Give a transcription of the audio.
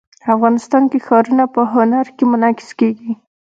افغانستان کې ښارونه په هنر کې منعکس کېږي.